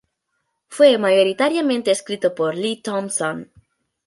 Fue mayoritariamente escrito por Lee Thompson.